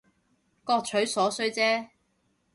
各取所需姐